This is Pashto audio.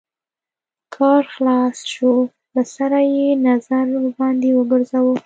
کار خلاص شو له سره يې نظر ورباندې وګرځوه.